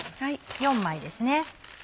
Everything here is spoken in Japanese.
４枚ですね。